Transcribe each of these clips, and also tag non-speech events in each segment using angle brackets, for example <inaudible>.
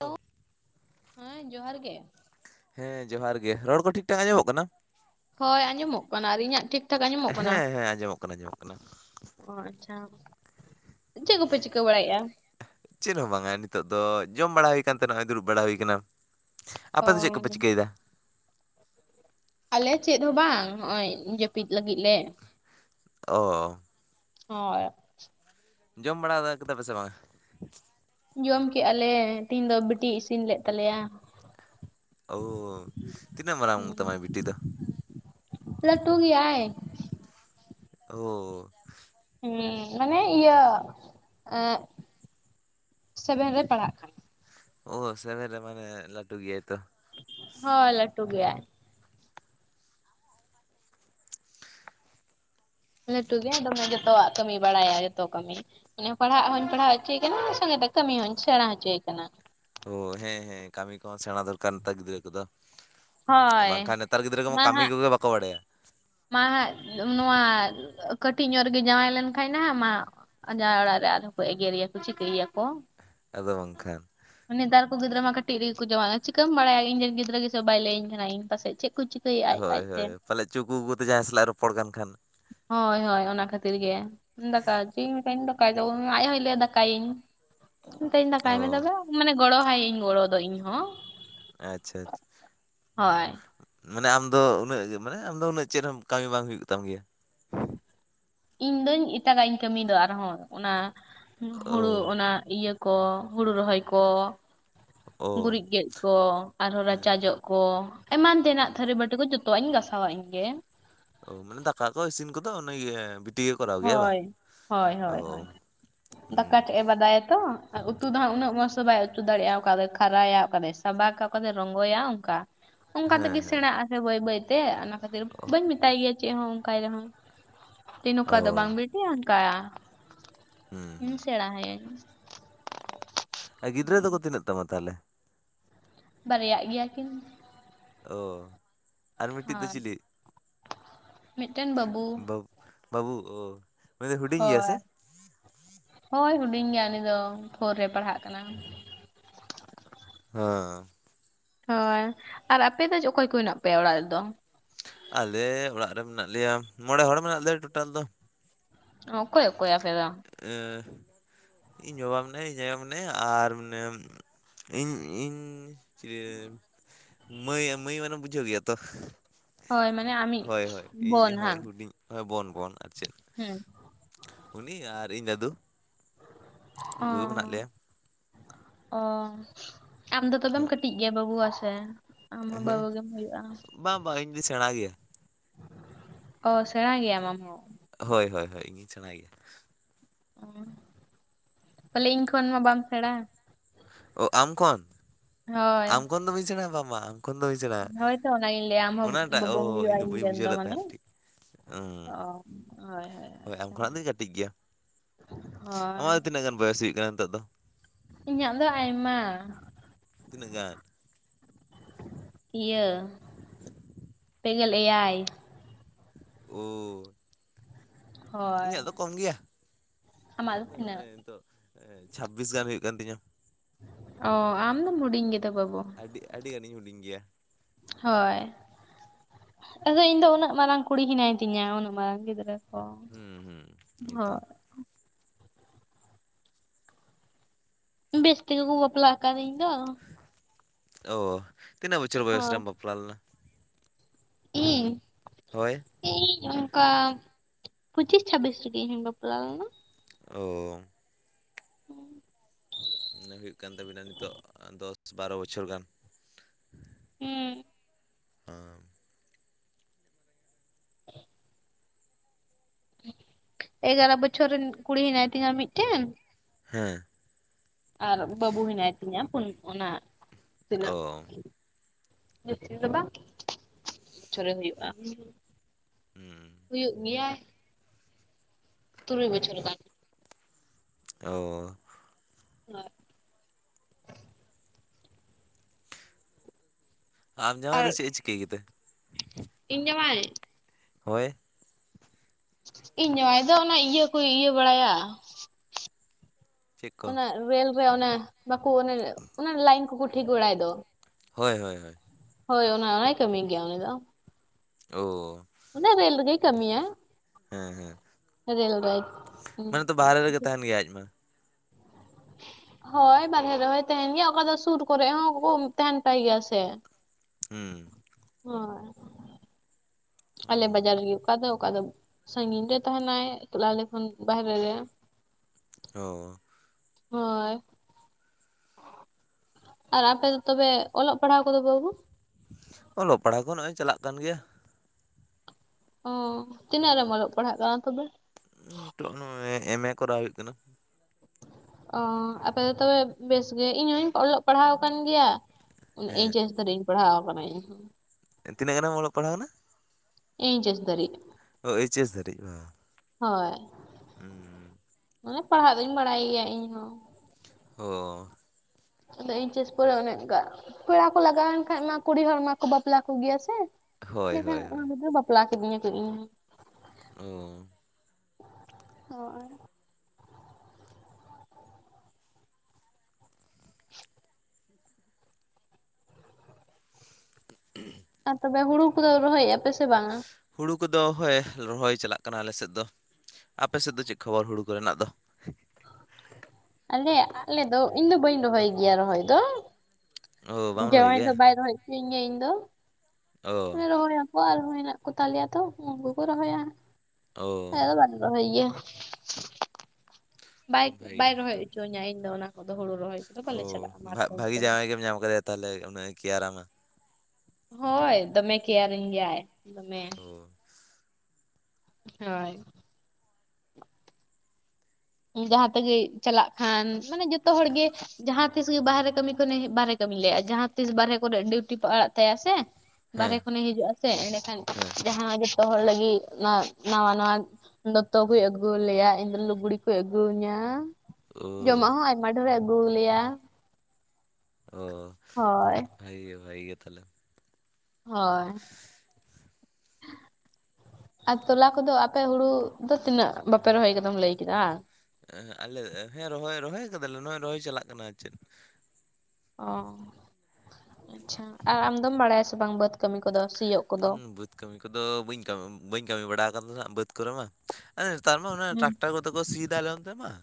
Hello, ᱦᱮᱸ ᱡᱚᱦᱟᱨ ᱜᱮ᱾ ᱦᱮᱸ ᱡᱚᱦᱟᱨ ᱜᱮ ᱨᱚᱲ ᱠᱚ ᱴᱷᱤᱠ ᱴᱷᱟᱠ ᱟᱸᱡᱚᱢᱚᱜ ᱠᱟᱱᱟ? ᱦᱳᱭ ᱟᱸᱡᱚᱢᱚᱜ ᱠᱟᱱᱟ, ᱟᱨ ᱤᱧᱟᱹᱜ ᱴᱷᱤᱠ ᱴᱷᱟᱠ ᱟᱸᱡᱚᱢᱚᱜ ᱠᱟᱱᱟ? ᱦᱮᱸ ᱦᱮᱸ ᱟᱸᱡᱚᱢᱚᱜ ᱠᱟᱱᱟ ᱟᱸᱡᱚᱢᱚᱜ ᱠᱟᱱᱟ ᱚ ᱟᱪᱪᱷᱟ, ᱪᱮᱜ ᱠᱚᱯᱮ ᱪᱤᱠᱟᱹ ᱵᱟᱲᱟᱭᱮᱜᱼᱟ? ᱪᱮᱫ ᱦᱚᱸ ᱵᱟᱝᱟ ᱱᱤᱛᱚᱜ ᱫᱚ ᱡᱚᱢ ᱵᱟᱲᱟ ᱦᱩᱭᱠᱟᱱ ᱛᱮ ᱱᱚ-ᱚᱭ ᱫᱩᱲᱩᱵ ᱵᱟᱲᱟ ᱦᱩᱭᱠᱟᱱᱟ᱾ ᱚ ᱟᱯᱮ ᱫᱚ ᱪᱮᱜ ᱠᱚᱯᱮ ᱪᱤᱠᱟᱹᱭᱮᱫᱟ ᱟᱞᱮ ᱪᱮᱫ ᱦᱚᱸ ᱵᱟᱝ ᱦᱚᱸᱜᱼᱚᱭ ᱡᱟᱹᱯᱤᱫ ᱞᱟᱹᱜᱤᱫ ᱞᱮ᱾ ᱚᱻᱚ ᱾ <unintelligible> ᱡᱚᱢ ᱵᱟᱲᱟ <unintelligible> ᱠᱮᱫᱟ ᱯᱮ ᱥᱮ ᱵᱟᱝ? ᱡᱚᱢ ᱠᱮᱜᱼᱟᱞᱮ ᱛᱮᱦᱤᱧ ᱫᱚ ᱵᱤᱴᱤᱭ ᱤᱥᱤᱱ ᱞᱮᱫ ᱛᱟᱞᱮᱭᱟ᱾ ᱚᱻ ᱛᱤᱱᱟᱹᱜ ᱢᱟᱨᱟᱝ ᱦᱩᱸ ᱛᱟᱢᱟᱭ ᱵᱤᱴᱤ ᱫᱚ? ᱞᱟᱹᱴᱩ ᱜᱮᱭᱟᱭ᱾ ᱳᱻᱳ ᱦᱩᱸ ᱢᱟᱱᱮ ᱤᱭᱟᱹ ᱮᱸᱜ ᱥᱮᱵᱮᱱ ᱨᱮᱭ ᱯᱟᱲᱟᱜ ᱠᱟᱱᱟ᱾ ᱚ ᱥᱮᱵᱮᱱ ᱨᱮ ᱢᱟᱱᱮ ᱞᱟᱹᱴᱩ ᱜᱮᱭᱟᱭ ᱛᱚ᱾ ᱦᱳ ᱞᱟᱹᱴᱩ ᱜᱮᱭᱟᱭ᱾ ᱞᱟᱹᱴᱩ ᱜᱮᱭᱟᱭ ᱫᱚᱢᱮ ᱡᱚᱛᱚᱣᱟᱜ ᱠᱟᱹᱢᱤ ᱵᱟᱲᱟᱭᱟᱭ ᱡᱚᱛᱚ ᱠᱟᱹᱢᱤ᱾ <unintelligible> ᱯᱟᱲᱦᱟᱜ ᱦᱚᱧ ᱯᱟᱲᱦᱟᱣ ᱦᱚᱪᱚᱭᱮ ᱠᱟᱱᱟ ᱥᱚᱸᱜᱮᱛᱮ ᱠᱟᱹᱢᱤ ᱦᱚᱧ ᱥᱮᱬᱟ ᱦᱚᱪᱚᱭᱮ ᱠᱟᱱᱟ᱾ ᱚ ᱦᱮᱸ ᱦᱮᱸ ᱠᱟᱹᱢᱤ ᱠᱚᱦᱚᱸ ᱥᱮᱬᱟ ᱫᱚᱨᱠᱟᱨ ᱱᱮᱛᱟᱨ ᱜᱤᱫᱽᱨᱟᱹ ᱠᱚᱫᱚ᱾ ᱦᱳᱭ ᱵᱟᱝᱠᱷᱟᱱ ᱱᱮᱛᱟᱨ ᱜᱤᱫᱽᱨᱟᱹ ᱠᱚᱢᱟ ᱠᱟᱹᱢᱤ ᱠᱚᱜᱮ ᱵᱟᱠᱚ ᱵᱟᱰᱟᱭᱟ᱾ ᱢᱟ ᱦᱟᱸᱜ ᱱᱚᱣᱟ ᱠᱟᱹᱴᱤᱡ ᱧᱚᱜ ᱨᱮᱜᱮ ᱡᱟᱶᱟᱭ ᱞᱮᱱᱠᱷᱟᱡ ᱱᱟᱦᱟᱸᱜ ᱢᱟ᱾ <unintelligible> ᱚᱲᱟᱜ ᱨᱮ ᱟᱨᱦᱚᱸ ᱠᱚ ᱮᱜᱨᱮᱭᱟ ᱠᱚ ᱪᱤᱠᱟᱹᱭᱮᱭᱟ ᱠᱚ᱾ ᱟᱫᱚ ᱵᱟᱝᱠᱷᱟᱱ᱾ ᱱᱮᱛᱟᱨ ᱠᱚ ᱜᱤᱫᱽᱨᱟᱹ ᱢᱟ ᱠᱟᱹᱴᱤᱡ ᱨᱮᱜᱮ ᱡᱟᱶᱟᱭᱚᱜ-ᱟ ᱪᱮᱠᱟᱢ ᱵᱟᱲᱟᱭᱟ ᱤᱧ ᱨᱮᱱ ᱜᱤᱫᱽᱨᱟᱹ ᱜᱮ ᱥᱮ ᱵᱟᱭ ᱞᱟᱹᱭᱟᱹᱧ ᱠᱟᱱᱟ ᱤᱧ ᱯᱟᱥᱮᱡ ᱪᱮᱫ ᱠᱚ ᱪᱤᱠ <unintelligible> ᱦᱳᱭ ᱦᱳᱭ ᱯᱟᱞᱮᱡ ᱪᱚ ᱩᱠᱩ ᱩᱠᱩᱛᱮ ᱡᱟᱦᱟᱸᱭ ᱥᱟᱞᱟᱜ ᱮ ᱨᱚᱯᱚᱲ ᱠᱟᱱ ᱠᱷᱟᱱ᱾ ᱦᱳᱭ ᱦᱳᱭ ᱚᱱᱟ ᱠᱷᱟᱹᱛᱤᱨ ᱜᱮ᱾ ᱫᱟᱠᱟ ᱚᱪᱚ ᱭᱟᱹᱧ ᱵᱟᱠᱷᱟᱡ ᱫᱟᱠᱟᱭ ᱛᱟᱵᱚ ᱢᱮ ᱟᱭ <unintelligible> ᱦᱚᱸᱭ ᱞᱟᱹᱭᱟ ᱫᱟᱠᱟᱭᱤᱧ᱾ ᱢᱮᱛᱟᱭᱟᱹᱧ ᱚ ᱫᱟᱠᱟᱭ ᱢᱮ ᱛᱚᱵᱮ, ᱢᱟᱱᱮ ᱜᱚᱲᱚ ᱦᱟᱭᱟᱹᱧ ᱜᱚᱲᱚ ᱫᱚ ᱤᱧ ᱦᱚᱸ᱾ ᱟᱪᱷᱟ ᱟᱪᱷᱟ᱾ ᱦᱳᱭ ᱢᱟᱱᱮ ᱟᱢᱫᱚ ᱩᱱᱟᱹᱜ ᱜᱮ, ᱢᱟᱱᱮ ᱟᱢ ᱫᱚ ᱩᱱᱟᱹᱜ ᱪᱮᱫ ᱦᱚᱸ ᱠᱟᱹᱢᱤ ᱵᱟᱝ ᱦᱩᱭᱩᱜ ᱛᱟᱢ ᱜᱮᱭᱟ᱾ ᱤᱧ ᱫᱚᱧ ᱮᱴᱟᱜᱟᱜ ᱤᱧ ᱠᱟᱹᱢᱤ ᱫᱚ ᱟᱨᱦᱚᱸ ᱚᱱᱟ ᱦᱩᱲᱩ ᱚ ᱚᱱᱟ ᱤᱭᱟᱹ <unintelligible> ᱦᱩᱲᱩ ᱨᱚᱦᱚᱭ ᱠᱚ᱾ ᱚ ᱜᱩᱨᱤᱡ ᱜᱮᱡ ᱠᱚ ᱟᱨᱦᱚᱸ ᱦᱮᱸ ᱨᱟᱪᱟ ᱡᱚᱜ ᱠᱚ ᱮᱢᱟᱱ ᱛᱮᱱᱟᱜ ᱛᱷᱟᱹᱨᱤ ᱵᱟᱹᱴᱤ, <unintelligible> ᱡᱚᱛᱚᱣᱟᱜ ᱤᱧ ᱜᱟᱥᱟᱣᱟ ᱤᱧ ᱜᱮ᱾ ᱚ ᱢᱟᱱᱮ ᱫᱟᱠᱟ ᱠᱚ ᱤᱥᱤᱱ ᱠᱚ ᱫᱚ ᱩᱱᱤᱜᱮ᱾ <unintelligible> ᱦᱳᱭ ᱦᱳᱭ ᱦᱳᱭ ᱦᱳᱭ ᱫᱟᱠᱟ ᱦᱩᱸ ᱴᱷᱮᱜ ᱮ ᱵᱟᱰᱟᱭᱟᱛᱚ᱾ ᱩᱛᱩ ᱫᱚ ᱦᱟᱸᱜ ᱩᱱᱟᱹᱜ ᱢᱚᱸᱡᱽ ᱫᱚ ᱵᱟᱭ ᱩᱛᱩ ᱫᱟᱲᱮᱜᱼᱟ ᱚᱠᱟ ᱫᱚᱭ ᱠᱷᱟᱨᱟᱭᱟ ᱚᱠᱟ ᱫᱚᱭ ᱥᱟᱵᱟᱠᱟ ᱚᱠᱟᱫᱚᱭ ᱨᱚᱝᱜᱚᱭᱟ ᱚᱱᱠᱟ᱾ ᱚᱱᱠᱟ ᱦᱮᱸ ᱛᱮᱜᱮ ᱦᱮᱸ ᱥᱮᱬᱟᱜ ᱟᱥᱮ ᱵᱟᱹᱭ ᱵᱟᱹᱭᱛᱮ ᱚᱱᱟ ᱠᱷᱟᱹᱛᱤᱨ ᱚ ᱵᱟᱹᱧ ᱢᱮᱛᱟᱭ ᱜᱮᱭᱟ ᱪᱮᱫ ᱦᱚᱸ ᱚᱱᱠᱟᱭ ᱨᱮᱦᱚᱸ᱾ ᱱᱚᱝᱠᱟ ᱚ ᱫᱚ ᱵᱟᱝ ᱵᱤᱴᱤ ᱚᱱᱠᱟ, ᱦᱩᱸ ᱤᱧ ᱦᱩᱸ ᱥᱮᱬᱟ ᱦᱟᱹᱭᱟᱹᱧ᱾ <unintelligible> ᱜᱤᱫᱽᱨᱟᱹ ᱫᱚᱠᱚ ᱛᱤᱱᱟᱹᱜ ᱛᱟᱢᱟ ᱛᱟᱦᱚᱞᱮ? ᱵᱟᱨᱭᱟᱜ ᱜᱮᱭᱟ ᱠᱤᱱ᱾ ᱚ ᱟᱨ ᱢᱤᱫᱴᱮᱡ ᱫᱚ ᱦᱳᱭ ᱪᱤᱞᱤ? ᱢᱤᱫᱴᱮᱱ ᱵᱟᱹᱵᱩ ᱵᱟᱹᱼᱼ ᱵᱟᱹᱵᱩ ᱚ᱾ ᱩᱱᱤ ᱫᱚ ᱦᱩᱰᱤᱧ ᱜᱮᱭᱟ ᱥᱮ ᱦᱳᱭ, ᱦᱳᱭ ᱦᱩᱰᱤᱧ ᱜᱮᱭᱟ ᱩᱱᱤ ᱫᱚ, ᱯᱷᱳᱨ ᱨᱮᱭ ᱯᱟᱲᱦᱟᱜ ᱠᱟᱱᱟ᱾ ᱦᱮᱸ ᱦᱳᱭ ᱟᱨ ᱟᱯᱮ ᱫᱚ ᱚᱠᱚᱭ ᱠᱚ ᱦᱮᱱᱟᱜ ᱯᱮᱭᱟ ᱚᱲᱟᱜ ᱨᱮᱫᱚ ᱟᱞᱮ ᱚᱲᱟᱜ ᱨᱮ ᱢᱮᱱᱟᱜ ᱞᱮᱭᱟ ᱢᱚᱬᱮ ᱦᱚᱲ ᱢᱮᱱᱟᱜ ᱞᱮᱭᱟ ᱴᱳᱴᱟᱞ ᱫᱚ᱾ ᱚ ᱠᱚᱭ ᱠᱚᱭ ᱯᱷᱮ ᱫᱚ ᱤᱧ ᱡᱚᱵᱟ ᱢᱮᱱᱟ ᱤᱧᱟᱭ ᱢᱮᱱᱟᱭ ᱟᱨ ᱢᱟᱱᱮ -ᱤᱧ ᱤᱧ ᱪ <inaudible> ᱢᱟᱹᱭ ᱢᱟᱹᱭ ᱢᱟᱱᱮᱢ ᱵᱩᱡᱷᱟᱹᱣ ᱜᱮᱭᱟ ᱛᱚ ᱦᱳᱭ ᱢᱟᱱᱮ ᱟᱢᱤᱡ ᱦᱳᱭ ᱦᱳᱭ ᱤᱧ ᱵᱳᱱ ᱦᱳᱭ ᱦᱩᱰᱤᱧ ᱵᱳᱱ ᱵᱳᱱ ᱟᱨ ᱪᱮᱫ ᱦᱮᱸ ᱩᱱᱤ ᱟᱨ ᱤᱧ ᱫᱟᱫᱩ ᱦᱸᱚ ᱩᱱᱠᱩ ᱜᱮ ᱢᱮᱱᱟᱜ ᱞᱮᱭᱟ ᱚ᱾ ᱟᱢ ᱫᱚ ᱛᱚᱵᱮᱢ ᱠᱟᱹᱴᱤᱡ ᱜᱮᱭᱟ ᱵᱟᱹᱵᱩ ᱣᱟ ᱥᱮ ᱟᱢ ᱦᱚᱸ ᱦᱮᱸ ᱵᱟᱹᱵᱩ ᱜᱮᱢ ᱦᱩᱭᱩᱜᱼᱟ᱾ ᱵᱟᱝ ᱵᱟᱝ ᱤᱧᱩᱧ ᱥᱮᱬᱟ ᱜᱮᱭᱟ ᱚ ᱥᱮᱬᱟ ᱜᱮᱭᱟᱢ ᱦᱚᱸ ᱦᱳᱭ ᱦᱳᱭ ᱦᱳᱭ ᱤᱧ ᱥᱮᱬᱟᱭ ᱜᱮᱭᱟ ᱚ ᱵᱚᱞᱮ ᱤᱧ ᱠᱷᱚᱱ ᱢᱟ ᱵᱟᱢ ᱥᱮᱬᱟ ᱟ᱾ ᱚ ᱟᱢ ᱠᱷᱚᱱ ᱦᱳᱭ ᱟᱢ ᱠᱷᱚᱱ ᱫᱚ ᱵᱟᱹᱧ ᱥᱮᱬᱟ ᱵᱟᱝ ᱛᱚᱠᱷᱚᱱ <inaudible> ᱫᱚ ᱦᱩᱭᱧ <inaudible> ᱪᱟᱞᱟᱜᱼᱟ ᱦᱳᱭᱛᱚ ᱚᱱᱟᱜᱤᱧ ᱞᱟᱹᱭᱟ ᱟᱢᱦᱚᱸ ᱚᱱᱟᱴᱟᱜ ᱚ ᱵᱟᱹᱵᱩᱢ ᱦᱩᱭᱩᱜᱼᱟ ᱤᱧ ᱫᱚ ᱵᱟᱹᱧ ᱨᱮᱱ ᱵᱩᱡᱷᱟᱹᱣ ᱞᱮᱫ ᱢᱟᱱᱮ ᱛᱟᱦᱮᱸᱫ ᱴᱤᱠ ᱚ ᱦᱳᱭ ᱦᱳᱭ ᱟᱢ ᱠᱷᱚᱱᱟᱜ ᱫᱚᱧ ᱠᱟᱹᱴᱤᱡ ᱜᱮᱭᱟ᱾ ᱦᱳᱭ ᱟᱢᱟᱜ ᱫᱚ ᱛᱤᱱᱟᱹᱜ ᱜᱟᱱ ᱵᱚᱭᱮᱥ ᱦᱩᱭᱩᱜ ᱠᱟᱱᱟ ᱱᱤᱛᱚᱜ ᱫᱚ ᱤᱧᱟᱹᱜ ᱫᱚ ᱟᱭᱢᱟ ᱛᱤᱱᱟᱹᱜ ᱜᱟᱱ ᱤᱭᱟᱹ ᱯᱮᱜᱮᱞ ᱮᱭᱟᱭ᱾ ᱳ ᱦᱳᱭ ᱤᱧᱟᱹᱜ ᱫᱚ ᱠᱚᱢ ᱜᱮᱭᱟ ᱟᱢᱟᱜ ᱤᱧᱟᱹᱜ ᱫᱚ ᱱᱚᱜ ᱚᱜ ᱛᱤᱱᱟᱹᱜ? ᱱᱤᱛᱚᱜ ᱪᱷᱟᱵᱵᱤᱥ ᱜᱟᱱ ᱦᱩᱭᱩᱜ ᱠᱟᱱ ᱛᱤᱧᱟᱹ᱾ ᱚ ᱟᱢᱫᱚᱢ ᱦᱩᱰᱤᱧ ᱜᱮᱫᱚ ᱵᱟᱹᱵᱩ ᱟᱹᱰᱤ ᱟᱹᱰᱤ ᱜᱟᱱᱤᱧ ᱦᱩᱰᱤᱧ ᱜᱮᱭᱟ᱾ ᱦᱳᱭ ᱟᱫᱚ ᱤᱧ ᱫᱚ ᱩᱱᱟᱹᱜ ᱢᱟᱨᱟᱝ ᱠᱩᱲᱤ ᱦᱮᱱᱟᱭ ᱛᱤᱧᱟᱹ ᱩᱱᱟᱹᱜ ᱢᱟᱨᱟᱝ ᱜᱤᱫᱽᱨᱟᱹ ᱠᱚ ᱦᱩᱸ ᱦᱩᱸ <inaudible> ᱮᱫᱚᱢ ᱦᱳᱭ ᱵᱮᱥ ᱛᱮᱜᱮ ᱠᱚ ᱵᱟᱯᱞᱟ ᱟᱠᱟᱫᱤᱧ ᱫᱚ ᱚ ᱛᱤᱱᱟᱜ ᱵᱚᱪᱷᱚᱨ ᱦᱳᱭ ᱵᱚᱭᱮᱥᱨᱮᱢ ᱵᱟᱯᱞᱟ ᱞᱮᱱᱟ ᱤᱧ ᱦᱳᱭ ᱤᱧ. ᱚᱱᱠᱟ ᱯᱩᱪᱤᱥ ᱪᱷᱟᱯᱵᱤᱥ ᱨᱮᱜᱤ ᱤᱧ ᱵᱟᱯᱞᱟ ᱞᱮᱱᱟ᱾ ᱳ ᱦᱮᱸ <inaudible> ᱦᱩᱭᱩᱜ ᱠᱟᱱ ᱛᱟᱵᱤᱱᱟ ᱱᱤᱛᱚᱜ ᱫᱚᱥ ᱵᱟᱨᱚ ᱵᱚᱪᱷᱚᱨ ᱜᱟᱱ᱾ ᱦᱮᱸ ᱦᱟᱢ ᱮᱜᱟᱨᱚ ᱵᱚᱪᱷᱚᱨ ᱨᱮᱱ ᱠᱩᱲᱤ ᱦᱮᱱᱟᱭ ᱛᱤᱧᱟᱹ ᱢᱤᱫᱴᱮᱱ ᱦᱮᱸ ᱟᱨ ᱵᱟᱹᱵᱩ ᱦᱮᱱᱟᱭ ᱛᱤᱧᱟᱹ ᱚᱱᱟ ᱛᱤᱱᱟᱹᱜ- ᱚ ᱡᱟᱹᱥᱛᱤ ᱫᱚ ᱵᱟᱝ ᱵᱚᱪᱷᱚᱨᱮ ᱦᱩᱭᱩᱜᱼᱟ᱾ ᱦᱮᱸ ᱦᱩᱭᱩᱜ ᱜᱮᱭᱟᱭ -ᱛᱩᱨᱩᱭ ᱵᱚᱪᱷᱚᱨ ᱜᱟᱱ᱾ ᱳ ᱦᱳᱭ ᱟᱢ ᱧᱟᱶᱟᱭ ᱟᱨ ᱫᱚ ᱪᱮᱫ ᱮ ᱪᱤᱠᱟᱹᱭ ᱜᱮᱛᱮ ᱤᱧ ᱡᱟᱢᱟᱭ ᱦᱳᱭ ᱤᱧ ᱡᱟᱶᱟᱭ ᱫᱚ ᱚᱱᱟ ᱤᱭᱟᱹ ᱠᱚᱭ ᱤᱭᱟᱹ ᱵᱟᱲᱟᱭᱟ ᱪᱮᱫ ᱠᱚ ᱚᱱᱟ ᱨᱮᱞ ᱨᱮ ᱚᱱᱟ ᱵᱟᱠᱩ ᱚᱱᱮ ᱚᱱᱟ ᱞᱟᱭᱤᱱ ᱠᱚ ᱠᱚ ᱴᱷᱤᱠ ᱵᱟᱲᱟᱭ ᱫᱚ ᱦᱳᱭ ᱦᱳᱭ ᱦᱳᱭ ᱦᱳᱭ ᱚᱱᱟ ᱚᱱᱟᱭ ᱠᱟᱹᱢᱤ ᱜᱮᱭᱟ ᱩᱱᱤ ᱫᱚ ᱳ ᱚᱱᱟ ᱨᱮᱞ ᱨᱮᱜᱮᱭ ᱠᱟᱹᱢᱤᱭᱟ ᱦᱮᱸ ᱦᱮᱸ ᱵᱮᱞ ᱨᱮ <unintelligible> ᱢᱟᱱᱮ ᱛᱚ ᱵᱟᱦᱨᱮ ᱨᱮᱜᱮ ᱛᱟᱦᱮᱱ ᱜᱮᱭᱟ ᱟᱡ ᱢᱟ ᱦᱳᱭ ᱵᱟᱦᱨᱮ ᱨᱮᱦᱚᱸᱭ ᱛᱟᱦᱮᱱ ᱜᱮᱭᱟ ᱚᱠᱟ ᱫᱚ ᱥᱩᱨ ᱠᱚᱨᱮ ᱦᱚᱸ ᱛᱟᱦᱮᱱ ᱛᱟᱭ ᱜᱮᱭᱟ ᱥᱮ ᱦᱩᱸ ᱦᱳᱛ ᱟᱞᱮ <unintelligible> ᱡᱟᱨ ᱜᱮ ᱚᱠᱟ ᱫᱚ ᱚᱠᱟ ᱫᱚ ᱥᱟᱸᱜᱤᱧ ᱨᱮ ᱛᱟᱦᱮᱱᱟᱭ ᱮᱠᱞᱟ ᱡᱚᱠᱷᱚᱱ ᱵᱟᱦᱨᱮ ᱨᱮ ᱚ ᱦᱳᱭ ᱟᱨ ᱟᱯᱮ ᱫᱚ ᱛᱚᱵᱮ ᱚᱞᱚᱜ ᱯᱟᱲᱦᱟᱣ ᱠᱚᱫᱚ ᱵᱟᱹᱵᱩ ᱚᱞᱚᱜ ᱯᱟᱲᱦᱟᱣ ᱠᱚ ᱱᱚᱜᱼᱚᱭ ᱪᱟᱞᱟᱜ ᱠᱟᱱ ᱜᱮᱭᱟ ᱚ ᱛᱤᱱᱟᱹᱜ ᱨᱮᱢ ᱚᱞᱚᱜ ᱯᱟᱲᱦᱟᱜ ᱠᱟᱱᱟ ᱛᱚᱵᱮ ᱱᱤᱛᱚᱜ ᱱᱚᱜ -ᱚᱭ ᱮᱢᱮ ᱠᱚᱨᱟᱣ ᱦᱩᱭᱩᱜ ᱠᱟᱱᱟ ᱚ ᱟᱯᱮ ᱫᱚ ᱛᱚᱵᱮ ᱵᱮᱥ ᱜᱮ ᱤᱧ ᱦᱚᱧ ᱚᱞᱚᱜ ᱯᱟᱲᱦᱟᱣ ᱠᱟᱱ ᱜᱮᱭᱟ ᱮᱭᱤᱪ ᱦᱮᱸ ᱮᱥ ᱫᱷᱟᱨᱤᱡ ᱤᱧ ᱯᱟᱲᱦᱟᱣ ᱠᱟᱱᱟ ᱤᱧ ᱦᱚ ᱛᱤᱱᱟᱹᱜ ᱜᱟᱱᱮᱢ ᱚᱞ ᱯᱟᱲᱦᱟᱣ ᱱᱟ ᱮᱭᱤᱪ ᱮᱥ ᱫᱷᱟᱨᱤᱡ ᱚ ᱮᱭᱤᱪ ᱮᱥ ᱫᱷᱟᱹᱨᱤᱡ ᱵᱟᱝ ᱦᱳᱭ ᱩᱸ ᱢᱟᱱᱮ ᱯᱟᱲᱦᱟᱜ ᱫᱩᱧ ᱵᱟᱲᱟᱭ ᱜᱮᱭᱟ ᱤᱧ ᱦᱚᱸ ᱦᱳᱭ ᱟᱫᱚ ᱮᱭᱤᱪᱮᱥ ᱯᱚᱨᱮ ᱚᱱᱮ ᱚᱱᱠᱟ ᱯᱮᱲᱟ ᱠᱚ ᱞᱟᱜᱟᱣᱮᱱ ᱠᱷᱟᱱ ᱢᱟ ᱠᱩᱲᱤ ᱦᱚᱲ ᱢᱟᱠᱚ ᱵᱟᱯᱞᱟ ᱠᱚᱜᱮᱭᱟ ᱥᱮ ᱦᱳᱭ ᱮᱸᱰᱮᱠᱷᱟᱱ ᱦᱳᱭ ᱦᱳᱭ ᱟᱫᱚ ᱠᱚ ᱵᱟᱯᱞᱟ ᱠᱤᱫᱤᱧᱟ ᱠᱚ ᱤᱧ ᱦᱚᱸ ᱳ ᱦᱚ ᱚᱭ <unintelligible> ᱟᱨ ᱛᱚᱵᱮ ᱦᱩᱲᱩ ᱠᱚᱫᱚ ᱨᱚᱦᱚᱭᱮᱫᱼᱟ ᱯᱮ ᱥᱮ ᱵᱟᱝᱟ ᱦᱩᱲᱩ ᱠᱚᱫᱚ ᱦᱳᱭ ᱨᱚᱦᱚᱭ ᱪᱟᱞᱟᱜ ᱠᱟᱱᱟ ᱟᱞᱮᱥᱮᱫ ᱫᱚ ᱟᱯᱮᱥᱮᱫ ᱫᱚ ᱪᱮᱫ ᱠᱷᱚᱵᱚᱨ ᱦᱩᱲᱩ ᱠᱚᱨᱮᱱᱟᱜ ᱫᱚ ᱟᱞᱮ ᱟᱞᱮ ᱫᱚ ᱤᱧ ᱫᱚ ᱵᱟᱹᱧ ᱨᱚᱦᱚᱭ ᱜᱮᱭᱟ ᱨᱚᱦᱚᱭ ᱫᱚ ᱚ ᱵᱟᱢ ᱨᱚᱦᱚᱭ ᱡᱟᱶᱟᱭ ᱫᱚ ᱜᱮᱭᱟ ᱵᱟᱭ ᱨᱚᱦᱚᱭ ᱦᱚᱪᱚᱭᱧ ᱜᱮᱭᱟ ᱤᱧ ᱫᱚ ᱚ ᱨᱚᱦᱚᱭᱟ <unintelligible> ᱟᱨᱦᱚᱸ ᱦᱮᱱᱟᱜ ᱠᱚᱛᱟᱞᱮᱭᱟ ᱛᱚ ᱩᱱᱠᱩ ᱠᱚ ᱨᱚᱦᱚᱭᱟ ᱚ ᱦᱟᱜ ᱟᱞᱮ ᱫᱚ ᱵᱟᱞᱮ ᱨᱚᱦᱚᱭ ᱜᱮᱭᱟ ᱵᱟᱭ ᱵᱟᱭ ᱵᱷᱟᱜᱮ ᱨᱚᱦᱚᱭ ᱚᱪᱚᱣᱧᱟ ᱤᱧ ᱫᱚ ᱚᱱᱟ ᱠᱚᱫᱚ ᱦᱩᱲᱩ ᱨᱚᱦᱚᱭ ᱠᱚᱫᱚ ᱚ ᱵᱟᱞᱮ ᱪᱟᱞᱟᱜᱼᱟ ᱢᱟᱴ ᱵᱷᱟᱜ ᱠᱟᱹᱢᱤ ᱵᱷᱟᱜᱤ ᱠᱚᱫᱚ ᱡᱟᱶᱟᱭ ᱜᱮᱢ ᱧᱟᱢ ᱠᱟᱫᱮᱭᱟ ᱛᱟᱦᱚᱞᱮ ᱩᱱᱟᱜ ᱮ ᱠᱮᱭᱟᱨᱟᱢᱟ ᱦᱳᱭ ᱫᱚᱢᱮ ᱠᱮᱭᱟᱨᱤᱧ ᱜᱮᱭᱟᱭ ᱫᱚᱢᱮ ᱚ ᱦᱳᱭ ᱡᱟᱦᱟᱸ ᱛᱮᱜᱮ ᱪᱟᱞᱟᱜ ᱠᱷᱟᱱ ᱢᱟᱱᱮ ᱡᱚᱛᱚ ᱦᱚᱲ ᱜᱮ ᱡᱟᱦᱟᱸ ᱡᱟᱦᱟᱸ ᱛᱤᱥ ᱜᱮ ᱵᱟᱨᱦᱮ ᱠᱟᱹᱢᱤ ᱠᱷᱚᱱ ᱵᱟᱨᱦᱮ ᱠᱟᱹᱢᱤᱧ ᱞᱟ. ᱭᱮᱜ-ᱟ ᱡᱟᱦᱟᱸ ᱛᱤᱥ ᱵᱟᱦᱨᱮ ᱠᱚᱨᱮ ᱰᱤᱩᱴᱤ ᱯᱟᱲᱟᱜ ᱛᱟᱭᱟ ᱥᱮ ᱵᱟᱦᱨᱮ ᱦᱮᱸ ᱠᱷᱚᱱᱮ ᱦᱤᱡᱩᱜ ᱟ ᱥᱮ ᱮᱸᱰᱮᱠᱷᱟᱱ ᱦᱮᱸ ᱡᱟᱦᱟᱸ ᱡᱚᱛᱚ ᱦᱚᱲ ᱞᱟᱹᱜᱤᱫ ᱚᱱᱟ ᱱᱟᱶᱟ ᱱᱟᱶᱟ ᱫᱚᱛᱚ ᱠᱚᱭ ᱟᱹᱜᱩ ᱣᱟᱞᱮᱭᱟ ᱤᱧ ᱫᱚ ᱞᱩᱜᱽᱲᱤ ᱠᱚ ᱠᱚᱭ ᱟᱹᱜᱩᱣᱟᱧᱟ ᱚ ᱡᱚᱢᱟᱜ ᱦᱚᱸ ᱟᱭᱢᱟ ᱰᱷᱨᱮ ᱮ ᱟᱹᱜᱩᱣᱟᱞᱮᱭᱟ ᱚ ᱦᱳᱭ ᱵᱷᱟᱜᱤ ᱜᱮ ᱵᱷᱟᱜᱤ ᱜᱮ ᱛᱟᱦᱚᱞᱮ ᱦᱳᱭ ᱾ ᱟᱨ ᱛᱚᱞᱟ ᱠᱚᱫᱚ ᱟᱯᱮ ᱦᱩᱲᱩ ᱫᱚ ᱛᱤᱱᱟᱹᱜ ᱵᱟᱯᱮ ᱨᱚᱦᱚᱭ ᱠᱟᱫᱟᱢ ᱞᱟᱹᱭ ᱠᱮᱫᱟ ᱾ ᱸ ᱟᱞᱮ ᱦᱮᱸ ᱨᱚᱦᱚᱭ ᱨᱚᱦᱚᱭ ᱠᱟᱫᱟᱞᱮ ᱱᱚᱜᱼᱚᱭ ᱨᱚᱦᱚᱭ ᱪᱟᱞᱟᱜ ᱠᱟᱱᱟ ᱪᱮᱫ ᱾ ᱚ ᱟᱪᱪᱷᱟ ᱾ ᱟᱨ ᱟᱢᱫᱚᱢ ᱵᱟᱲᱟᱭᱟ ᱥᱮ ᱵᱟᱝ ᱵᱟᱹᱫᱽ ᱠᱟᱹᱢᱤ ᱠᱚᱫᱚ ᱥᱤᱭᱳᱜ ᱠᱚᱫᱚ? ᱦᱩᱸ ᱵᱟᱹᱫᱽ ᱠᱟᱹᱢᱤ ᱠᱚᱫᱚ ᱵᱟᱹᱧ ᱠᱟᱹᱢᱤ ᱵᱟᱹᱧ ᱠᱟᱹᱢᱤ ᱵᱟᱲᱟ ᱟᱠᱟᱫᱟ ᱦᱟᱸᱜ ᱵᱟᱹᱫᱽ ᱠᱚᱨᱮ ᱢᱟ ᱱᱮᱛᱟᱨ ᱢᱟ ᱦᱩᱸ, ᱴᱨᱟᱠᱴᱟᱨ ᱠᱚᱛᱮ ᱠᱚ ᱥᱤ ᱫᱟ ᱟᱞᱮ ᱚᱱᱛᱮ ᱢᱟ ᱾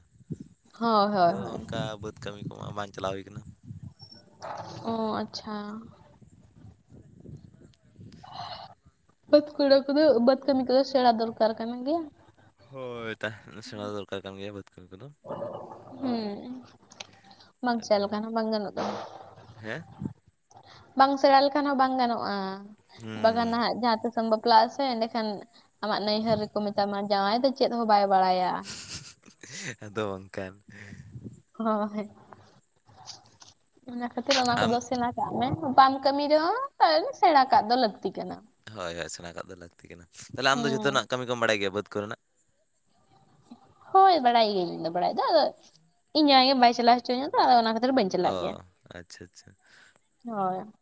ᱦᱳᱭ ᱦᱳᱭ ᱟᱫᱚ ᱦᱳᱭ ᱚᱱᱠᱟ ᱵᱟᱹᱫᱽ ᱠᱟᱹᱢᱤ ᱠᱚᱢᱟ ᱵᱟᱝ ᱪᱟᱞᱟᱣ ᱦᱩᱭ ᱠᱟᱱᱟ ᱾ ᱚ ᱟᱪᱪᱷᱟ ᱾ ᱵᱟᱹᱫᱽ ᱠᱩᱲᱟ ᱠᱚ ᱵᱟᱹᱫᱽ ᱠᱟᱹᱢᱤ ᱠᱚᱫᱚ ᱥᱮᱲᱟ ᱫᱚᱨᱠᱟᱨ ᱠᱟᱱᱟ ᱜᱮᱭᱟ ᱾ ᱦᱳᱭ ᱛᱟᱦᱮ ᱥᱮᱬᱟ ᱫᱚᱨᱠᱟᱨ ᱠᱟᱱ ᱜᱮᱭᱟ ᱵᱟᱹᱫᱽ ᱠᱟᱹᱢᱤ ᱠᱚᱫᱚ ᱦᱩᱸ ᱵᱟᱝ ᱟᱫᱚ ᱥᱮᱱ ᱞᱮᱠᱷᱟᱱ ᱦᱚᱸ ᱵᱟᱝ ᱜᱟᱱᱚᱜ ᱠᱟᱱᱟ ᱾ ᱦᱮᱸ ᱾ ᱵᱟᱝ ᱥᱮᱬᱟ ᱞᱮᱠᱷᱟᱱ ᱦᱚᱸ ᱵᱟᱝ ᱜᱟᱱᱚᱜᱼᱟ ᱵᱟᱜᱟᱱ ᱦᱩᱸ ᱱᱟᱦᱜ ᱡᱟᱦᱟᱸ ᱛᱤᱥᱚᱢ ᱵᱟᱯ ᱵᱟᱯᱞᱟᱜ ᱟᱥᱮ ᱮᱸᱰᱮᱠᱷᱟᱱ ᱟᱢᱟᱜ ᱱᱭᱦᱟᱹᱨ ᱨᱮᱠᱚ ᱢᱮᱛᱟᱢᱟ ᱡᱟᱶᱟᱭ ᱫᱚ ᱪᱮᱫ ᱦᱚᱸ ᱵᱟᱭ ᱵᱟᱲᱟᱭᱟ ᱾ ᱟᱫᱚ ᱚᱱᱠᱟᱱ ᱦᱳᱭ ᱚᱱᱟ ᱠᱷᱟᱹᱛᱤᱨ ᱚᱱᱟ ᱠᱚ ᱟᱢ ᱫᱚ ᱥᱮᱬᱟ ᱠᱟᱜ ᱢᱮ ᱾ ᱵᱟᱢ ᱠᱟᱹᱢᱤ ᱨᱮᱦᱚᱸ <unintelligible> ᱥᱮᱬᱟ ᱠᱟᱜ ᱫᱚ ᱞᱟᱹᱠᱛᱤ ᱠᱟᱱᱟ ᱾ ᱦᱳᱭ ᱦᱳᱭ ᱾ ᱥᱮᱬᱟ ᱠᱟᱜ ᱫᱚ ᱞᱟᱹᱠᱛᱤ ᱠᱟᱱᱟ ᱾ ᱛᱟᱦᱚᱞᱮ ᱟᱢ ᱫᱚ ᱦᱩᱸ ᱡᱷᱚᱛᱚᱱᱟᱜ ᱠᱟᱹᱢᱤ ᱠᱚᱢ ᱵᱟᱲᱟᱭ ᱜᱮᱭᱟ ᱵᱟᱹᱫᱽ ᱠᱚᱨᱮᱱᱟᱜ ᱾ ᱦᱳᱭ ᱾ ᱵᱟᱲᱟᱭ ᱜᱤᱭᱟᱹ ᱤᱧ ᱫᱚ ᱵᱟᱲᱟᱭ ᱫᱚ ᱟᱫᱚ ᱤᱧ ᱟᱭᱳ ᱵᱟᱭ ᱪᱟᱞᱟᱜᱣ <unintelligible> ᱟᱫᱚ ᱚᱱᱟ ᱠᱷᱟᱹᱛᱤᱨ ᱵᱟᱹᱧ ᱪᱟᱞᱟᱜ ᱜᱮᱭᱟ ᱚ ᱟᱪᱪᱷᱟ ᱾ ᱦᱳᱭ ᱾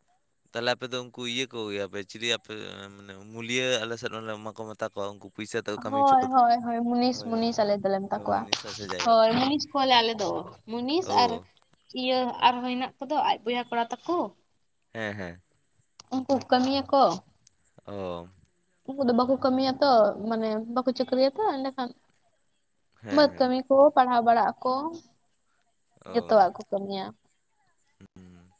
ᱛᱟᱦᱞᱮ ᱟᱯᱮ ᱫᱚ ᱩᱱᱠᱩ ᱤᱭᱟᱹ ᱠᱚᱜᱮᱭᱟ ᱯᱮ ᱪᱤᱞᱤ ᱟᱯᱮ ᱢᱟᱱᱮ ᱢᱩᱞᱭᱟᱹ ᱟᱞᱮ ᱥᱮᱫ ᱮᱢᱟ ᱠᱚ ᱛᱟᱠᱚᱣᱟ ᱩᱱᱠᱩ ᱯᱩᱭᱥᱟ ᱛᱟᱠᱚ ᱠᱟᱹᱢᱤ ᱦᱚᱪᱚ ᱦᱳᱭ ᱠᱚᱫᱚ ᱦᱳᱭ ᱦᱳᱭ ᱾ ᱢᱩᱱᱤᱥ ᱦᱳᱭ ᱦᱳᱭ ᱢᱩᱱᱤᱥ ᱟᱞᱮ ᱫᱚᱞᱮ ᱢᱮᱛᱟ ᱦᱳᱭ ᱠᱚᱣᱟ ᱢᱩᱱᱤᱥ ᱟ ᱥᱮ ᱡᱟᱭᱦᱳᱠ ᱦᱳᱭ ᱢᱩᱱᱤᱥ ᱠᱚᱣᱟᱞᱮ ᱟᱞᱮ ᱫᱚ ᱢᱩᱱᱤᱥ ᱟᱨ ᱳ ᱤᱭᱟᱹ ᱟᱨᱦᱚᱸ ᱦᱮᱱᱟᱜ ᱠᱚᱫᱚ ᱟᱡ ᱵᱚᱭᱦᱟ ᱠᱚᱲᱟ ᱛᱟᱠᱚ ᱦᱮᱸ ᱦᱮᱸ ᱾ ᱩᱱᱠᱩ ᱠᱟᱹᱢᱤᱭᱟᱠᱚ ᱚ ᱾ ᱩᱱᱠᱩ ᱫᱚ ᱵᱟᱠᱚ ᱠᱟᱹᱢᱤᱭᱟ ᱛᱚ ᱢᱟᱱᱮ ᱵᱟᱠᱚ ᱪᱷᱟᱹᱠᱨᱤᱭᱟ ᱛᱚ ᱮᱸᱰᱮᱠᱷᱟᱱ ᱦᱮᱸ ᱵᱟᱹᱫᱽ ᱦᱮᱸ ᱠᱟᱹᱢᱤ ᱠᱚ ᱯᱟᱲᱦᱟᱣ ᱵᱟᱲᱟᱜ ᱟᱠᱚ ᱚ ᱡᱚᱛᱚᱣᱟᱜ ᱠᱚ ᱠᱟᱹᱢᱤᱭᱟ ᱾ ᱦᱩᱸ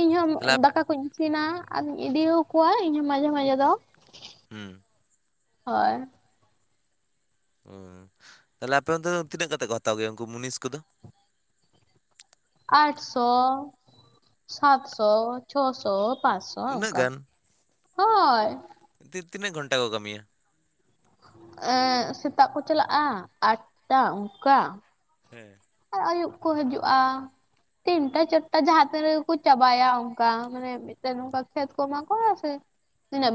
ᱤᱧᱦᱚᱸ ᱛᱟᱦᱚᱞᱮ ᱟᱯ- ᱫᱟᱠᱟ ᱠᱚᱧ ᱤᱥᱤᱱᱟ ᱟᱨ ᱤᱧ ᱤᱫᱤᱚᱣᱟ ᱤᱧ ᱦᱚ ᱢᱟᱡᱷᱮ ᱢᱟᱡᱷᱮ ᱫᱚ ᱾ ᱦᱩᱸ ᱾ ᱦᱳᱭ ᱾ ᱚ ᱛᱟᱦᱞᱮ ᱟᱯᱮ ᱚᱱᱛᱮ ᱫᱚ ᱛᱤᱱᱟᱹᱜ ᱠᱟᱛᱮ ᱠᱚ ᱦᱟᱛᱟᱣ ᱜᱮᱭᱟ ᱩᱱᱠᱩ ᱢᱩᱱᱤᱥ ᱠᱚᱫᱚ? ᱟᱴ ᱥᱚ ᱥᱟᱛ ᱥᱚ ᱪᱷᱚ ᱥᱚ ᱯᱟᱸᱪᱥᱚ ᱩᱱᱟᱹᱜ ᱝᱠᱟ ᱜᱟᱱ ᱦᱳᱭ ᱾ ᱛᱤ ᱛᱤᱱᱟᱹᱜ ᱜᱷᱚᱱᱴᱟ ᱠᱚ ᱠᱟᱹᱢᱤᱭᱟ? ᱮᱸ ᱥᱮᱛᱟᱜ ᱠᱚ ᱪᱟᱞᱟᱜᱼᱟ ᱟᱴᱴᱟ ᱚᱝᱠᱟ ᱦᱮᱸ ᱾ ᱟᱨ ᱟᱹᱭᱩᱵ ᱠᱚ ᱦᱤᱡᱩᱜᱼᱟ ᱾ ᱛᱤᱱᱴᱟ ᱪᱟᱴᱴᱟ ᱡᱟᱦᱟᱸ ᱛᱤᱱᱟ ᱜᱮ ᱠᱚ ᱪᱟᱵᱟᱭᱟ ᱚᱱᱠᱟ ᱢᱟᱱᱮ ᱾ <unintelligible> ᱠᱟ ᱠᱷᱮᱛ ᱠᱚᱢᱟ ᱠᱚ ᱥᱮ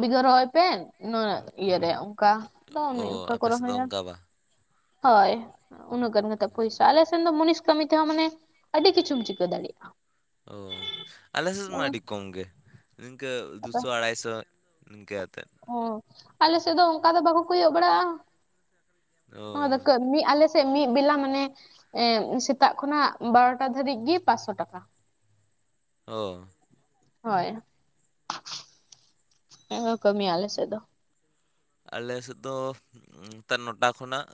ᱵᱤᱜᱷᱟ ᱨᱚᱦᱚᱭ ᱯᱮ ᱱᱚᱣᱟ ᱤᱭᱟᱹ ᱨᱮ <unintelligible> ᱚᱱᱮ ᱚ ᱚᱱᱠᱟ ᱠᱚ ᱟᱯᱮ ᱥᱮᱫ ᱫᱚ ᱨᱚᱦᱚᱭᱟ ᱚᱱᱠᱟ ᱵᱟ ᱦᱳᱭ ᱩᱱᱟᱹᱜ ᱜᱟᱱ ᱠᱟᱛᱮ ᱯᱚᱭᱥᱟ ᱟᱞᱮ ᱥᱮ <unintelligible> ᱢᱩᱱᱤᱥ ᱠᱟᱹᱢᱤ ᱛᱮᱦᱚᱸ ᱢᱟᱱᱮ ᱟᱹᱰᱤ ᱠᱤᱪᱷᱩᱢ ᱪᱤᱠᱟᱹ ᱫᱟᱲᱮᱭᱟᱜᱼᱟ ᱾ ᱚ ᱟᱞᱮ ᱥᱮᱫ ᱢᱟ ᱟᱹᱰᱤ ᱠᱚᱢ ᱜᱮ ᱱᱤᱝᱠᱟᱹ ᱫᱩᱥᱚ ᱟᱲᱟᱭᱥᱚ ᱤᱱᱠᱟᱹ ᱟᱛᱮ ᱚ ᱟᱞᱮ ᱥᱮᱫ ᱫᱚ ᱚᱱᱠᱟ ᱫᱚ ᱵᱟᱠᱚ ᱠᱚᱭᱚᱜ ᱵᱟᱲᱟᱜᱼᱟ ᱚ <unintelligible> ᱠᱟᱹᱢᱤ ᱟᱞᱮ ᱢᱤᱫ ᱵᱮᱞᱟ ᱢᱟᱱᱮ ᱮ ᱥᱮᱛᱟᱜ ᱠᱷᱚᱱᱟᱜ ᱵᱟᱨᱚᱴᱟ ᱫᱷᱵᱤᱡ ᱜᱮ ᱯᱟᱸᱪᱥᱚ ᱴᱟᱠᱟ ᱾ ᱚᱻ ᱦᱳᱭ ᱾ ᱫᱚᱢᱮ ᱠᱟᱹᱢᱤ ᱟᱞᱮ ᱥᱮᱫ ᱫᱚ ᱾ ᱟᱞᱮ ᱥᱮᱫ ᱫᱚ ᱱᱮᱛᱟᱨ ᱱᱚᱴᱟ ᱠᱷᱚᱱᱟᱜ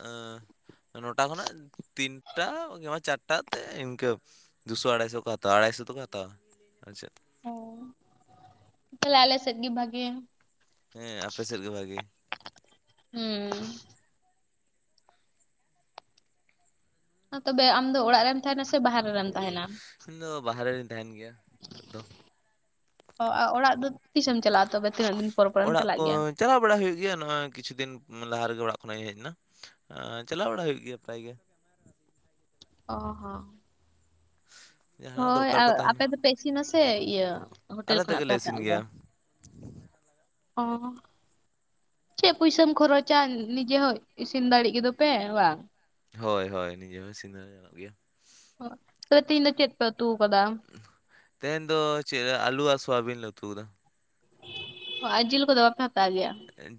ᱱᱚᱴᱟ ᱠᱷᱚᱱᱟᱜ ᱛᱤᱱᱴᱟ ᱪᱟᱴᱴᱟ ᱛᱮ ᱤᱱᱠᱟᱹ ᱫᱩᱥᱚ ᱟᱲᱟᱭᱥᱚ ᱠᱚ ᱦᱟᱛᱟᱣᱟ ᱟᱲᱟᱭᱥᱚ ᱫᱚᱠᱚ ᱦᱟᱛᱟᱣᱟ ᱾ ᱟᱨᱪᱮᱫᱼᱼ ᱦᱚ ᱛᱟᱞᱦᱮ ᱟᱞᱮ ᱥᱮᱫ ᱜᱤ ᱵᱷᱟᱹᱜᱮ, ᱦᱮᱸ ᱟᱯᱮ ᱥᱮᱫ ᱜᱮ ᱵᱷᱟᱜᱮ ᱾ ᱦᱩᱸ ᱟ ᱛᱚᱵᱮ ᱟᱢ ᱫᱚ ᱚᱲᱟᱜ ᱨᱮᱢ ᱛᱟᱦᱮᱱᱟ ᱥᱮ ᱵᱟᱦᱨᱮ ᱨᱮᱢ ᱛᱟᱦᱮᱱᱟ? ᱤᱧ ᱫᱚ ᱵᱟᱦᱟᱨᱮ ᱨᱤᱧ ᱛᱟᱸᱦᱮᱱ ᱜᱮᱭᱟ, ᱱᱤᱛᱚᱜᱼᱼ ᱚ ᱚᱜ ᱚᱲᱟᱜ ᱫᱚ ᱛᱤᱥᱮᱢ ᱪᱟᱞᱟᱜᱼᱟ ᱛᱚᱵᱮ ᱛᱤᱱᱟᱹᱜ ᱫᱤᱱ ᱯᱚᱨ ᱯᱚᱨᱮᱢ ᱚᱲᱟᱜ ᱪᱟᱞᱟᱜ ᱠᱚ ᱜᱮᱭᱟ? ᱪᱟᱞᱟᱣ ᱵᱟᱲᱟ ᱦᱩᱭᱩᱜ ᱜᱮᱭᱟ ᱱᱚᱜᱼᱚᱭ ᱠᱤᱪᱷᱩ ᱫᱤᱱ ᱞᱟᱦᱟ ᱨᱮᱜᱮ ᱚᱲᱟᱜ ᱠᱷᱚᱱᱟᱜ ᱤᱧ ᱦᱮᱡ ᱮᱱᱟ᱾ ᱪᱟᱞᱟᱣ ᱵᱟᱲᱟ ᱦᱩᱭᱩᱜ ᱜᱮᱭᱟ ᱯᱮᱨᱟᱭ ᱜᱮ ᱚ ᱦᱚᱸ, ᱡᱟᱦᱟᱱᱟᱜ ᱦᱳᱭ ᱫᱚᱨᱠᱟᱨ ᱠᱚ ᱟᱞ ᱛᱟᱦᱮᱱᱟ ᱟᱯᱮ ᱫᱚᱯᱮ ᱤᱥᱤᱱᱟ ᱥᱮ ᱤᱭᱟᱹ ᱦᱳᱴᱮᱞ ᱟᱞᱮ ᱠᱷᱚᱱᱟᱜ ᱯᱮ ᱛᱮᱜᱮᱞᱮ ᱦᱟᱛᱟ ᱤᱥᱤᱱ ᱟᱜᱩᱭᱟ ᱜᱮᱭᱟ ᱾ ᱚᱻ ᱦᱚᱜ ᱪᱮᱫ ᱯᱩᱭᱥᱟᱢ ᱠᱷᱚᱨᱚᱪᱟ ᱱᱤᱡᱮ ᱦᱚᱸ ᱤᱥᱤᱱ ᱫᱟᱲᱮᱜ ᱜᱮᱫᱚᱯᱮ ᱵᱟᱝ? ᱦᱳᱭ ᱦᱳᱭ ᱱᱤᱡᱮ ᱦᱚᱸ ᱤᱥᱤᱱ ᱫᱚ ᱜᱟᱱᱚᱜ ᱜᱮᱭᱟ ᱾ ᱛᱚ ᱛᱮᱦᱤᱧ ᱫᱚ ᱪᱮᱫ ᱯᱮ ᱩᱛᱩ ᱠᱟᱫᱟ? ᱛᱮᱦᱮᱧ ᱫᱚ ᱪᱮᱜ, ᱟᱞᱩ ᱟᱨ ᱥᱚᱣᱟᱵᱤᱱ ᱞᱮ ᱩᱛᱩ ᱟᱫᱟ ᱾ ᱦᱚᱸ ᱡᱤᱞ ᱠᱚᱫᱚ ᱵᱟᱯᱮ ᱦᱟᱛᱟᱣ ᱜᱮᱭᱟ᱾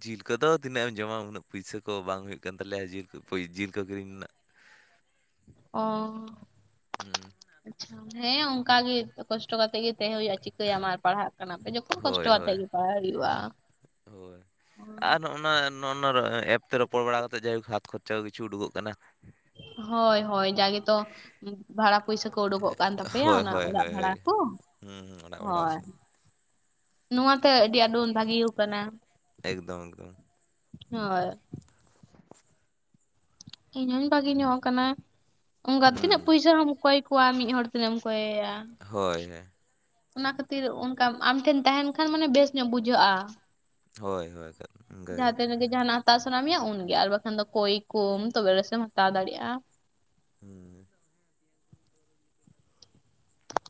ᱡᱤᱞ ᱠᱚᱫᱚ ᱛᱤᱱᱟᱹᱜ ᱮᱢ ᱡᱚᱢᱟ ᱩᱱᱟᱹᱜ ᱯᱩᱭᱥᱟᱹ ᱠᱚ ᱵᱟᱝ ᱦᱩᱭᱩᱜ ᱠᱟᱱ ᱛᱟᱞᱮᱭᱟ ᱡᱤᱞ ᱠᱚ ᱯᱚ ᱡᱤᱞ ᱠᱚ ᱠᱤᱨᱤᱧ ᱨᱮᱱᱟᱜ ᱾ <inaudible> ᱚ ᱟᱪᱪᱷᱟ ᱦᱮᱸ ᱚᱱᱠᱟ ᱜᱮ ᱾ ᱠᱚᱥᱴᱚ ᱠᱟᱛᱮ ᱜᱮ ᱛᱟᱦᱮᱸ ᱦᱩᱭᱩᱜᱼᱟ ᱪᱤᱠᱟᱹᱭᱟᱢ ᱟᱨ ᱯᱟᱲᱦᱟᱜ ᱠᱟᱱᱟᱯᱮ ᱡᱚᱠᱷᱚᱱ ᱠᱚᱥᱴᱚ ᱦᱳᱭ ᱠᱟᱛᱮ ᱦᱳᱭ ᱜᱮ ᱯᱟᱲᱦᱟᱜ ᱦᱩᱭᱩᱜᱼᱟ ᱾ ᱦᱳᱭ ᱟᱨ ᱱᱚᱜᱼᱱᱟ ᱱᱚᱱᱚ ᱮᱯ ᱛᱮ ᱨᱚᱯᱚᱲ ᱵᱟᱲᱟ ᱠᱟᱛᱮᱫ ᱡᱟᱭᱦᱳᱠ ᱦᱟᱛ ᱠᱷᱚᱨᱪᱟ ᱠᱤᱪᱷᱩ ᱩᱰᱩᱠᱚᱜ ᱠᱟᱱᱟ ᱾ ᱦᱳᱭ ᱦᱳᱭ ᱡᱟᱜᱮ ᱛᱚ ᱵᱷᱟᱲᱟ ᱯᱩᱭᱥᱟᱹ ᱠᱚ ᱩᱰᱩᱠᱚᱜ ᱠᱟᱱ ᱛᱟᱯᱮᱭᱟ ᱦᱳᱭ ᱚᱱᱟ ᱦᱳᱭ ᱚᱲᱟᱜ ᱦᱳᱭ ᱵᱷᱟᱲᱟ ᱦᱳᱭ ᱠᱚ ᱾ ᱦᱩᱸ ᱦᱩᱸ ᱚᱱᱟ ᱚᱰᱟᱣ ᱯᱟᱥᱮᱜ, ᱱᱚᱣᱟᱛᱮ ᱟᱹᱰᱤ ᱟᱸᱴ ᱵᱚᱱ ᱵᱷᱟᱹᱜᱤ ᱟᱠᱟᱱᱟ ᱾ ᱮᱠᱫᱚᱢ ᱮᱠᱫᱚᱢ ᱦᱚᱭ ᱤᱧ ᱦᱚᱸᱧ ᱵᱷᱟᱜᱤ ᱧᱚᱜ ᱠᱟᱱᱟ ᱚᱱᱠᱟ ᱦᱩᱸ ᱛᱤᱱᱟᱹᱜ ᱯᱚᱭᱥᱟ ᱦᱚᱢ ᱠᱚᱭ ᱠᱚᱣᱟ ᱢᱤᱫ ᱦᱚᱲ, ᱛᱱᱟᱹᱜ ᱮᱢ ᱠᱚᱭᱮᱭᱟ ᱦᱳᱭ ᱦᱮᱸ ᱚᱱᱟ ᱠᱷᱟᱹᱛᱤᱨ ᱚᱱᱠᱟ ᱟᱢ ᱴᱷᱮᱱ ᱛᱟᱦᱮᱱ ᱠᱷᱟᱱ ᱢᱟᱱᱮ ᱵᱮᱥ ᱧᱚᱜ ᱵᱩᱡᱷᱟᱹᱜᱼᱟ᱾ ᱦᱳᱭ ᱦᱳᱭ ᱡᱟᱦᱟᱸ ᱚᱱᱠᱟᱜᱮ <unintelligible> ᱨᱮᱜᱮ ᱡᱟᱦᱟᱸᱱᱟᱜ <unintelligible> ᱦᱟᱛᱟᱣ ᱥᱟᱱᱟ ᱢᱮᱭᱟ ᱩᱱᱜᱮ ᱟᱨ ᱵᱟᱠᱷᱟᱱ ᱫᱚ ᱠᱚᱭ ᱠᱚᱢ ᱛᱚᱵᱮ ᱨᱮᱥᱮᱢ ᱦᱟᱛᱟᱣ ᱫᱟᱲᱮᱭᱟᱜᱼᱟ᱾ ᱦᱩᱸ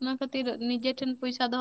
ᱚᱱᱟ ᱠᱷᱟᱹᱛᱤᱨ ᱱᱤᱡᱮ ᱴᱷᱮᱱ ᱯᱚᱭᱥᱟ ᱫᱚᱦᱚ